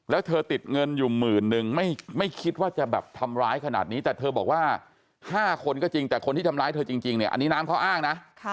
แล้วเธอติดเงินอยู่หมื่นนึงไม่คิดว่าจะแบบทำร้ายขนาดนี้แต่เธอบอกว่า๕คนก็จริงแต่คนที่ทำร้ายเธอจริงเนี่ยอันนี้น้ำเขาอ้างนะ